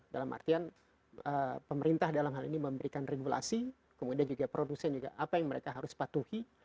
dalam artian pemerintah dalam hal ini memberikan regulasi kemudian juga produsen juga apa yang mereka harus patuhi